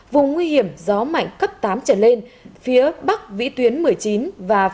vùng nguy hiểm gió mạnh cấp tám trở lên phía bắc vĩ tuyến một mươi chín và phía đông bắc